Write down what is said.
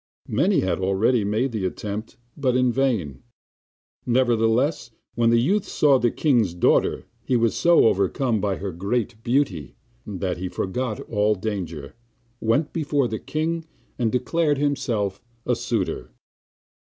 Many had already made the attempt, but in vain; nevertheless when the youth saw the king's daughter he was so overcome by her great beauty that he forgot all danger, went before the king, and declared himself a suitor.